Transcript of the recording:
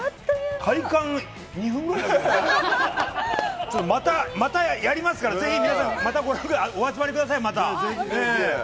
体感２分ぐらいまたやりますから、ぜひ皆さんまたお集まりください。